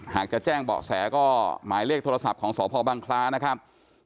หากจะแจ้งเบาะแสก็หมายเลขโทรศัพท์ของสพบังคล้านะครับ